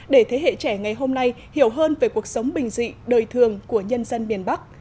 để thế hệ trẻ ngày hôm nay hiểu hơn về cuộc sống bình dị đời thường của nhân dân miền bắc